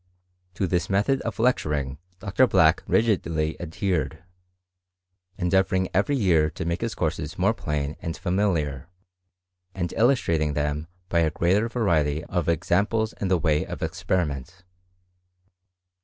To this method of lecturing Dr.Black rigidly adhered, endeavouring every year to make his courses more plain and familiar, and illustrating them by a greater variety of examples in the way of experiment.